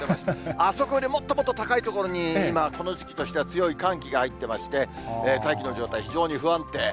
あそこよりもっともっと高い所に、今、この時期としては強い寒気が入ってまして、大気の状態、非常に不安定。